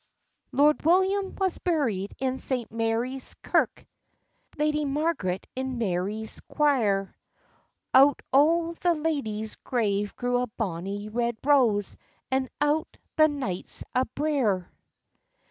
Lord William was buried in St. Marie's kirk, Lady Margaret in Marie's quire; Out o' the lady's grave grew a bonny red rose, And out o' the knight's a brier.